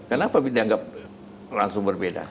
kenapa dianggap langsung berbeda